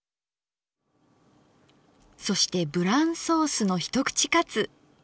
そしてブランソースの一口かつ。